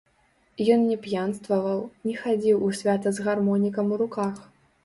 Ён не п'янстваваў, не хадзіў у свята з гармонікам у руках.